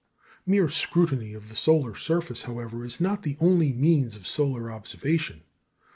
Mere scrutiny of the solar surface, however, is not the only means of solar observation.